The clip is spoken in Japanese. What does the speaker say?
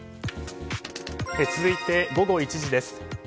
続いて午後１時です。